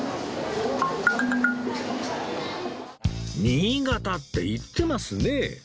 「新潟」って言ってますね